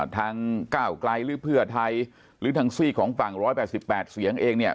ทางก้าวไกลหรือเพื่อไทยหรือทางซี่ของฝั่ง๑๘๘เสียงเองเนี่ย